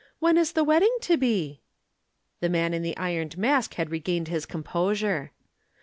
When is the wedding to be?" The Man in the Ironed Mask had regained his composure.